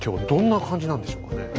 どんな感じなんでしょうかね。